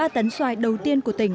ba tấn xoài đầu tiên của tỉnh